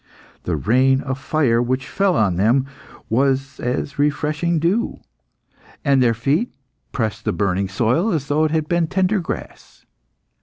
The rain of fire which fell on them was as a refreshing dew, and their feet pressed the burning soil as though it had been tender grass.